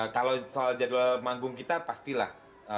kalau soal jadwal manggung kita pastilah